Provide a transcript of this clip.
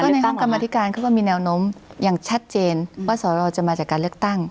ในตั้งกรรมธิการเขาก็มีแนวโน้มอย่างชัดเจนว่าสรจะมาจากการเลือกตั้ง